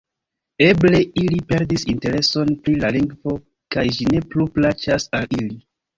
Eble ili perdis intereson pri la lingvo kaj ĝi ne plu plaĉas al ili.